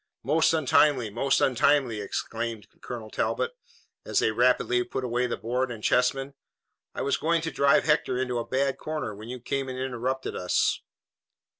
"Most untimely! Most untimely!" exclaimed Colonel Talbot, as they rapidly put away the board and chessmen. "I was just going to drive Hector into a bad corner, when you came and interrupted us."